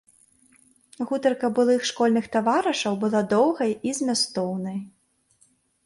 Гутарка былых школьных таварышаў была доўгай і змястоўнай.